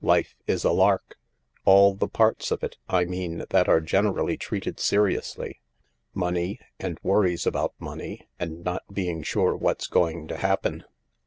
Life is a lark all the parts of it, I mean, that are generally treated seriously: money, and worries about money, and not being sure what's going to happen.